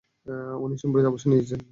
উনি সম্প্রতি অবসর নিয়েছেন।